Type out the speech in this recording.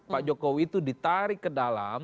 pak jokowi itu ditarik ke dalam